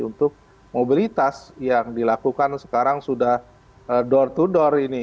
untuk mobilitas yang dilakukan sekarang sudah door to door ini